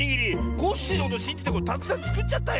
コッシーのことしんじてたくさんつくっちゃったよ。